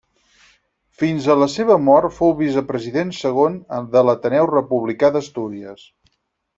Fins a la seva mort fou vicepresident segon de l'Ateneu Republicà d'Astúries.